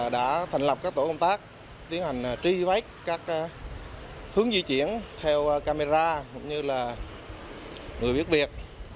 đã thành lập các tổ công tác tiến hành truy vết các hướng di chuyển theo camera người biết việc